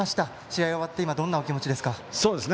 試合、終わって今どんなお気持ちですか？